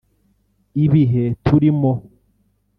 ”Ibihe turimo